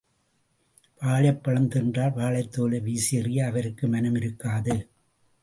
வாழைப்பழம் தின்றால் வாழைத்தோலை வீசி எறிய அவருக்கு மனம் இருக்காது.